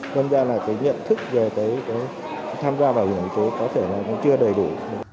nên ra là cái nhận thức về cái tham gia bảo hiểm y tế có thể là cũng chưa đầy đủ